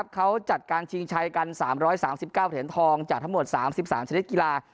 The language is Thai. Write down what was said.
เขาจัดการชิงชัยกัน๓๓๙เหรียญทองจากทั้งหมด๓๓ชนิดกีฬา